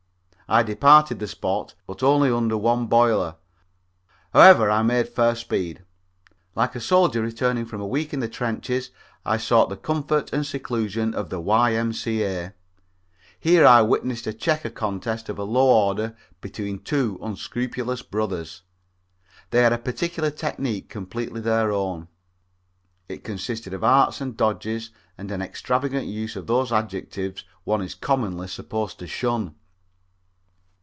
I departed the spot, but only under one boiler; however, I made fair speed. Like a soldier returning from a week in the trenches, I sought the comfort and seclusion of the Y.M.C.A. Here I witnessed a checker contest of a low order between two unscrupulous brothers. They had a peculiar technique completely their own. It consisted of arts and dodges and an extravagant use of those adjectives one is commonly supposed to shun.